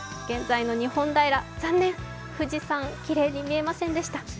現在の日本平、残念、富士山、きれいに見えませんでした。